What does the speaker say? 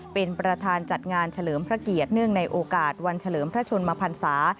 เป็นประธานจัดงานเฉลิมพระเกียรติเนื่องในโอกาสวันเฉลิมพระชนมพันศา